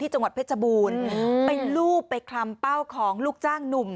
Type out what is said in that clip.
จังหวัดเพชรบูรณ์ไปรูปไปคลำเป้าของลูกจ้างหนุ่ม